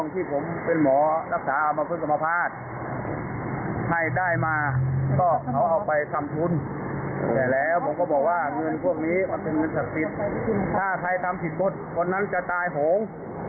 แต่แล้วผมก็บอกว่าเงินพวกนี้มันเป็นเงินศักดิ์ถ้าใครทำผิดบทคนนั้นจะตายโผง